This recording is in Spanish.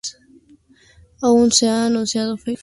Aún no se han anunciado fechas para los proyectos adicionales.